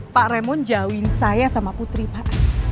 pak remon jauhin saya sama putri pak